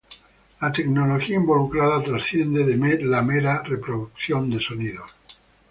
La tecnología involucrada trasciende la mera reproducción de sonidos.